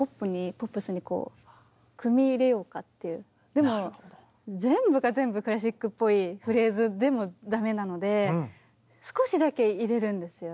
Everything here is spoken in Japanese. でも全部が全部クラシックっぽいフレーズでも駄目なので少しだけ入れるんですよね。